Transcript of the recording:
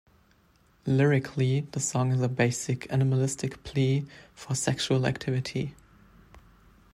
Lyrically, the song is a basic, animalistic plea for sexual activity.